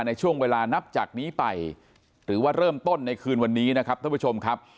ในช่วงเวลานับจากนี้ไปหรือว่าเริ่มต้นในคืนวันนี้นะครับท่านผู้ชมครับ